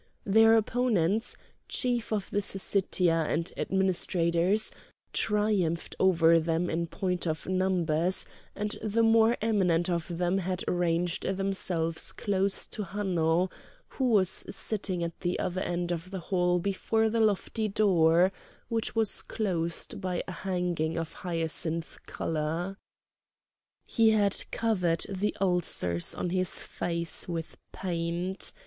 Their opponents, chiefs of the Syssitia and administrators, triumphed over them in point of numbers; and the more eminent of them had ranged themselves close to Hanno, who was sitting at the other end of the hall before the lofty door, which was closed by a hanging of hyacinth colour. He had covered the ulcers on his face with paint.